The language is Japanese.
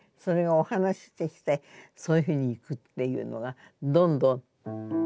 それがお話としてそういうふうにいくっていうのがどんどん。